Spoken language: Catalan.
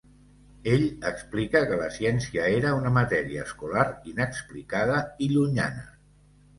Ell explica que la ciència era una matèria escolar inexplicada i llunyana.